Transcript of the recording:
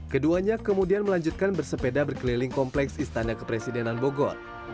keduanya kemudian melanjutkan bersepeda berkeliling kompleks istana kepresidenan bogor